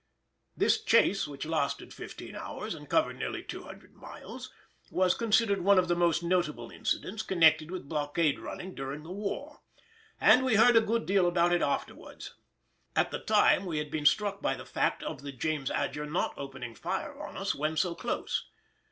This chase, which lasted fifteen hours, and covered nearly 200 miles, was considered one of the most notable incidents connected with blockade running during the war, and we heard a good deal about it afterwards. At the time we had been struck by the fact of the James Adger not opening fire on us, when so close.